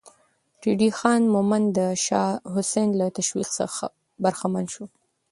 ريدی خان مومند د شاه حسين له تشويق څخه برخمن شو.